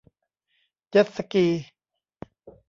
เจ็ตสกี